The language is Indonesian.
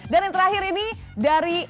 dan yang terakhir ini dari